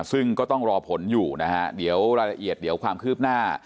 ซึ่งก็ต้องรอผลอยู่นะฮะเดี๋ยวรายละเอียดเดี๋ยวความคืบหน้า